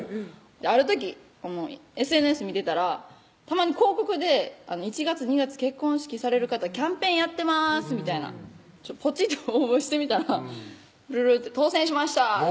ある時ＳＮＳ見てたらたまに広告で「１月・２月結婚式される方キャンペーンやってます」みたいなポチッと応募してみたらプルルルッ「当選しました」